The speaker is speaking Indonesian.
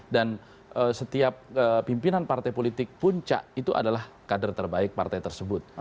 dan setiap pimpinan partai politik puncak itu adalah kader terbaik partai tersebut